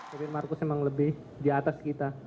saya memang lebih di atas kita